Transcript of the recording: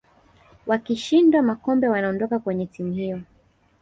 wakishinda makombe wanaondoka kwenye timu hiyo